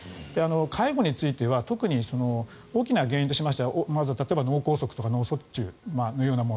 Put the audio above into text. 介護については特に大きな原因としましてはまず脳梗塞とか脳卒中のようなもの。